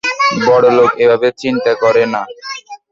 বড় লোক এভাবে চিন্তা করে না।